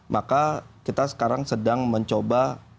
maka kita sekarang sedang mencoba